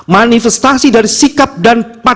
manifestasi dari sikap dan pandangan